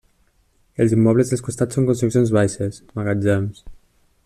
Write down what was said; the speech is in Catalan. Els immobles dels costats són construccions baixes, magatzems.